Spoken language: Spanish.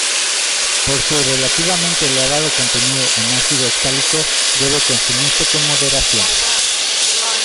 Por su relativamente elevado contenido en ácido oxálico, debe consumirse con moderación.